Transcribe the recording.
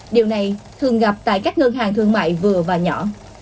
điều này thường gặp tại các ngân hàng thương mại vừa và nhỏ